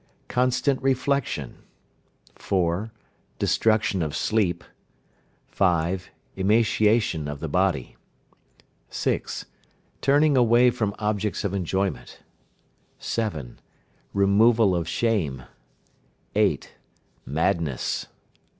Constant reflection. 4. Destruction of sleep. 5. Emaciation of the body. 6. Turning away from objects of enjoyment. 7. Removal of shame. 8. Madness.